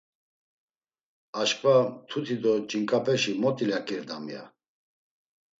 “Aşǩva mtuti do ç̌inǩapeşi mot ilaǩirdam.” ya.